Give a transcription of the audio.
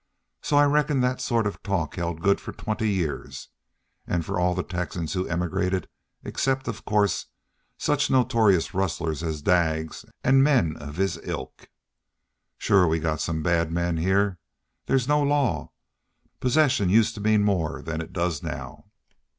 So I reckon that sort of talk held good for twenty years, an' for all the Texans who emigrated, except, of course, such notorious rustlers as Daggs an' men of his ilk. Shore we've got some bad men heah. There's no law. Possession used to mean more than it does now.